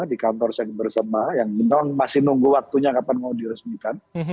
di kantor sekber sama yang memang masih nunggu waktunya kapan mau diresmikan